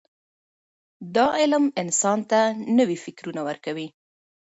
دا علم انسان ته نوي فکرونه ورکوي.